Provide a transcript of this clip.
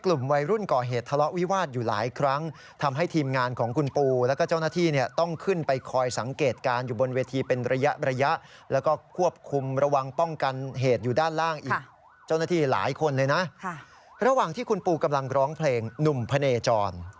ระหว่างที่คุณปูกำลังร้องเพลงหนุ่มพะเนจร